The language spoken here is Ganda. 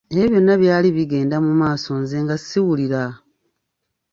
Ebyo byonna byali bigenda mu maaso nze nga siwulira.